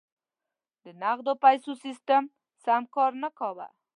د نغدو پیسو سیستم سم کار نه کاوه.